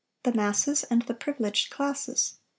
THE MASSES AND THE PRIVILEGED CLASSES.